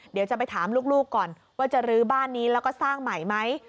เดี๋ยวจะไปถามลูกก่อนว่าจะรื้อบ้านนี้แล้วก็สร้างใหม่ไหม